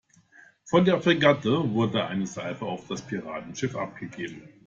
Von der Fregatte wurde eine Salve auf das Piratenschiff abgegeben.